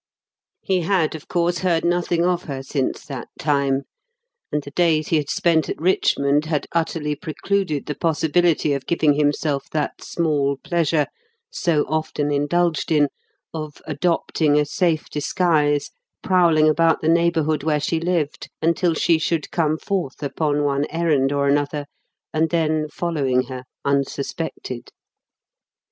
He had, of course, heard nothing of her since that time; and the days he had spent at Richmond had utterly precluded the possibility of giving himself that small pleasure so often indulged in of adopting a safe disguise, prowling about the neighbourhood where she lived until she should come forth upon one errand or another, and then following her, unsuspected.